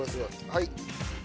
はい。